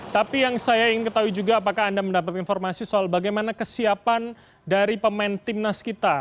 tapi yang saya ingin ketahui juga apakah anda mendapatkan informasi soal bagaimana kesiapan dari pemain timnas kita